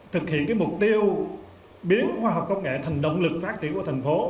thực hiện mục tiêu biến khoa học công nghệ thành động lực phát triển của thành phố